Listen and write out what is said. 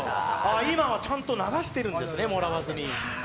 今はちゃんと流しているんですね、もわらずに。